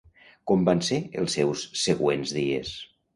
Com van ser els seus següents dies?